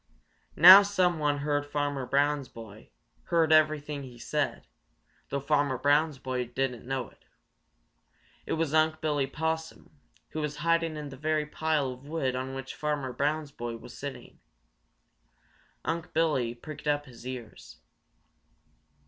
Now someone heard Farmer Brown's boy, heard everything he said, though Farmer Brown's boy didn't know it. It was Unc' Billy Possum, who was hiding in the very pile of wood on which Farmer Brown's boy was sitting. Unc' Billy pricked up his ears.